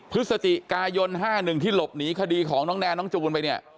พฤศจิกายน๕๑ที่หลบหนีคดีของน้องแนนน้องจูนไปเนี่ย